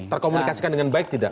terkomunikasikan dengan baik tidak